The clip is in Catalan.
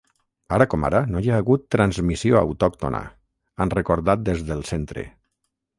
Ara com ara, no hi ha hagut transmissió autòctona, han recordat des del centre.